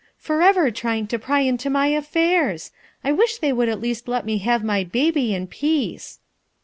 "Forever trying to pry into my affairs ! I wish they would at least let me have my baby in peace."